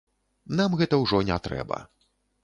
Нам гэта ўжо не трэба.